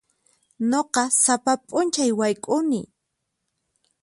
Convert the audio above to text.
Nuqa sapa p'unchay wayk'uni.